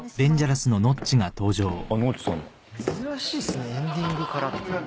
珍しいっすねエンディングからって。